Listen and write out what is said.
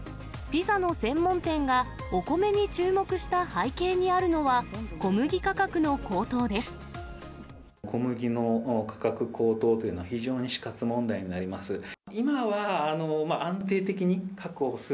ピザの専門店がお米に注目した背景にあるのは、小麦の価格高騰というのは、非常に死活問題になります。